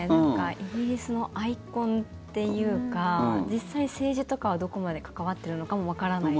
イギリスのアイコンっていうか実際、政治とかはどこまで関わっているのかもわからないし。